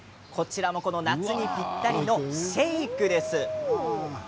夏にぴったりのシェイクです。